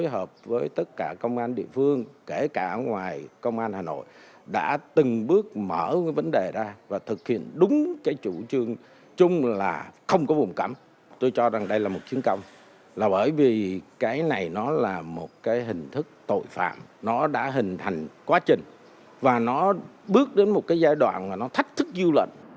hình thức tội phạm nó đã hình thành quá trình và nó bước đến một cái giai đoạn mà nó thách thức dưu lệnh